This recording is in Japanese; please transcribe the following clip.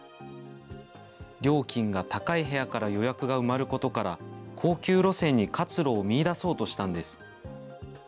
料金が高い部屋から予約が埋まることから、高級路線に活路を見いだそうとしたんです。